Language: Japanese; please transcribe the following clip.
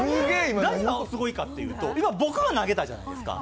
何がすごいかというと、今、僕が投げたじゃないですか。